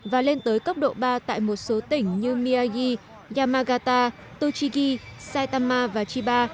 và lên tới cấp độ ba tại một số tỉnh như miyagi yamagata tochigi saitama và chiba